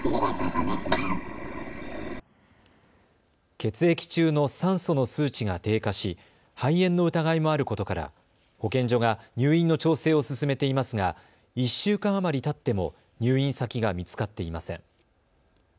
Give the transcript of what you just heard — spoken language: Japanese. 血液中の酸素の数値が低下し肺炎の疑いもあることから保健所が入院の調整を進めていますが１週間余りたっても入院先が見つかっていません。